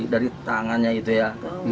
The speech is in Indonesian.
dari tangannya itu ya